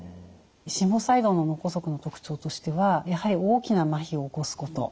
心房細動の脳梗塞の特徴としてはやはり大きなまひを起こすこと。